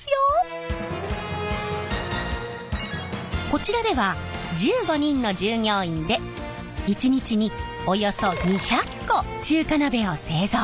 こちらでは１５人の従業員で１日におよそ２００個中華鍋を製造。